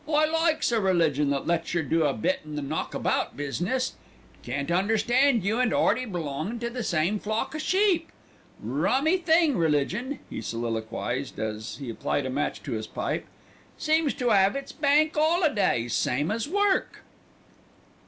I likes a religion that lets yer do a bit in the knock about business. Can't understand you and 'Earty belongin' to the same flock of sheep. Rummy thing, religion," he soliloquised, as he applied a match to his pipe; "seems to 'ave its Bank 'Olidays, same as work."